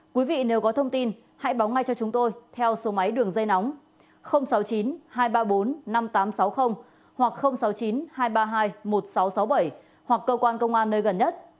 quý vị nếu có thông tin hãy báo ngay cho chúng tôi theo số máy đường dây nóng sáu mươi chín hai trăm ba mươi bốn năm nghìn tám trăm sáu mươi hoặc sáu mươi chín hai trăm ba mươi hai một nghìn sáu trăm sáu mươi bảy hoặc cơ quan công an nơi gần nhất